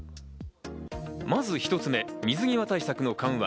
まず一つ目、水際対策の緩和。